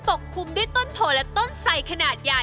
ก็จะเชิญชวนน้ำชมทางบ้านที่